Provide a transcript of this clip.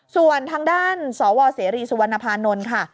ส่วนทางด้านสวเสรีสุวรรณภานนท์ค่ะ